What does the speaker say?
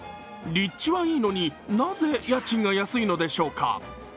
立地はいいのに、なぜ家賃が安いのでしょうか？